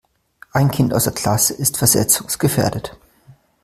Ein Kind aus der Klasse ist versetzungsgefährdet.